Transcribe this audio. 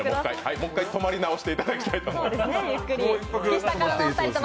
もう１回泊まり直していただきたいと思います。